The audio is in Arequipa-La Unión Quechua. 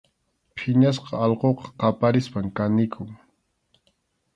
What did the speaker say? Phiñasqa allquqa qaparispam kanikun.